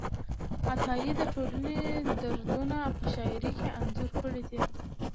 عطایي د ټولنې دردونه په شاعرۍ کې انځور کړي دي.